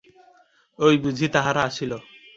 ঐ বুঝি তাহারা আসিল।